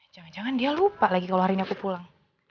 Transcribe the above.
jangan jangan dia lupa lagi kalau hari ini aku pulang